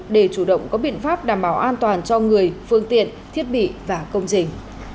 để chủ động có biện pháp đảm bảo an toàn cho người phương tiện thiết bị và công trình